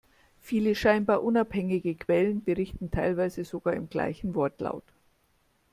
Viele scheinbar unabhängige Quellen, berichten teilweise sogar im gleichen Wortlaut.